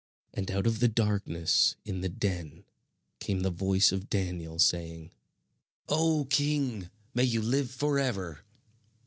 And out of the darkness in the den came the voice of Daniel, saying: "O king, may you live forever!